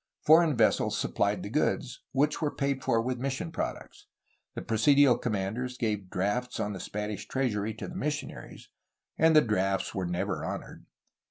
Foreign vessels supplied the goods, which were paid for with mission products. The presidial commanders gave drafts on the Spanish treasury to the missionaries,— and the drafts were never honored.